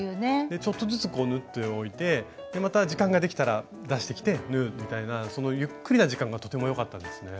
ちょっとずつ縫っておいてまた時間ができたら出してきて縫うみたいなゆっくりな時間がとても良かったですね。